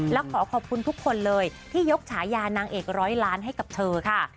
แล้วขอขอบคุณทุกคนเลยที่ยกฉายานางเอกร้อยล้านให้กับเธอค่ะ